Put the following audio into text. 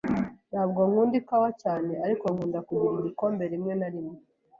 Ntabwo nkunda ikawa cyane, ariko nkunda kugira igikombe rimwe na rimwe.